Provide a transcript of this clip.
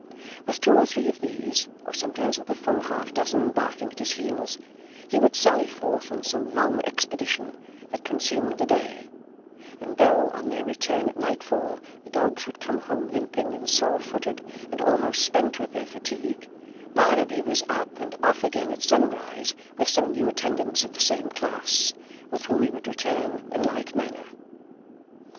With two or three of these, or sometimes with a full half dozen barking at his heels, he would sally forth on some long expedition that consumed the day; and though, on their return at nightfall, the dogs would come home limping and sore footed, and almost spent with their fatigue, Barnaby was up and off again at sunrise with some new attendants of the same class, with whom he would return in like manner.